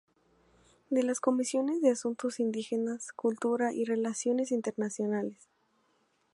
De las comisiones de Asuntos Indígenas, Cultura y Relaciones Internacionales.